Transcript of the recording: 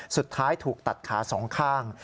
สุดท้ายถูกตัดขาสองข้าง